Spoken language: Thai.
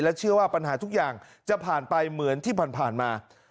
เชื่อว่าปัญหาทุกอย่างจะผ่านไปเหมือนที่ผ่านมา